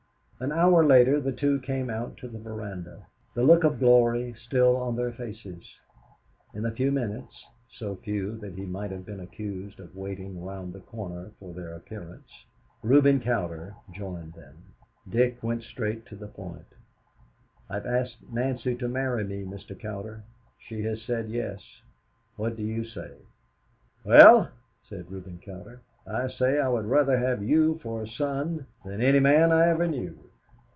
An hour later the two came out to the veranda, the look of glory still on their faces. In a very few minutes so few that he might have been accused of waiting around the corner for their appearance, Reuben Cowder joined them. Dick went straight to the point: "I have asked Nancy to marry me, Mr. Cowder. She has said, Yes. What do you say?" "Well," said Reuben Cowder, "I say I would rather have you for a son than any man I ever knew."